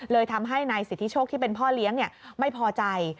ทำให้นายสิทธิโชคที่เป็นพ่อเลี้ยงไม่พอใจ